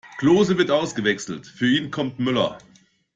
Klose wird ausgewechselt, für ihn kommt Müller.